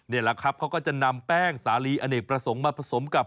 นี่แหละครับเขาก็จะนำแป้งสาลีอเนกประสงค์มาผสมกับ